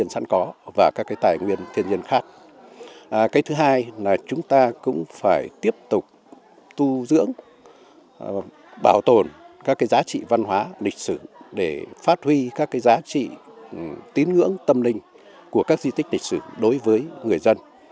bảo tồn các giá trị văn hóa lịch sử để phát huy các giá trị tín ngưỡng tâm linh của các di tích lịch sử đối với người dân